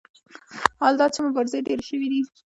حال دا چې مبارزې ډېرې شوې دي.